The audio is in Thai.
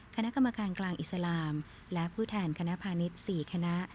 คณะกรรมการกลางอิสลามและผู้แทนคณะพาณิชย์๔คณะ